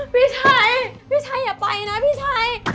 พี่ชัยพี่ชัยอย่าไปนะพี่ชัย